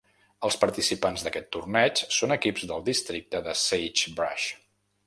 Els participants d'aquest torneig són equips del districte de Sagebrush.